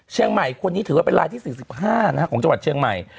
เชียงใหม่คนนี้ถือว่าเป็นลายที่๔๕นะครับของจังหวัดเชียงใหม่